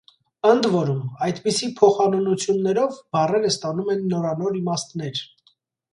Ընդ որում՝ այդպիսի փոխանունություններով բառերը ստանում են նորանոր իմաստներ։